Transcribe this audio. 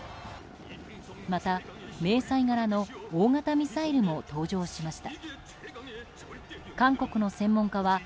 また、迷彩柄の大型ミサイルも登場しました。